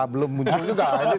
belum muncul juga kan pak jokowi